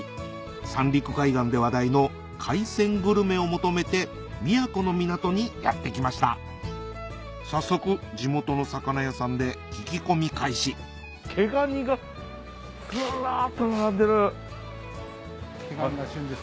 三陸海岸で話題の海鮮グルメを求めて宮古の港にやって来ました早速地元の魚屋さんで聞き込み開始毛ガニが旬です。